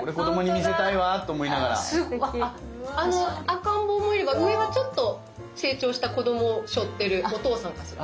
赤ん坊もいれば上はちょっと成長した子供をしょってるお父さんかしら。